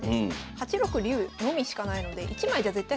８六竜のみしかないので１枚じゃ絶対攻めれない。